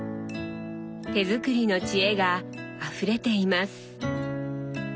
手作りの知恵があふれています。